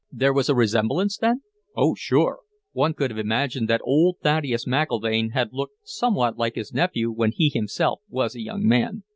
"There was a resemblance, then?" "Oh, sure. One could have imagined that old Thaddeus McIlvaine had looked somewhat like his nephew when he himself was a young man.